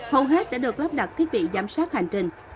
hầu hết đã được lắp đặt thiết bị giám sát hành trình